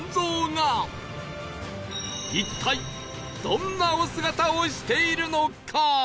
一体どんなお姿をしているのか？